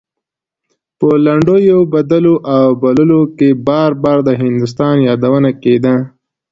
په لنډيو بدلو او بوللو کې بار بار د هندوستان يادونه کېده.